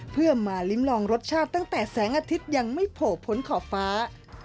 เพื่อมาลิ้มลองรสชาติตั้งแต่แสงอาทิตย์ยังไม่โผล่พ้นขอบฟ้า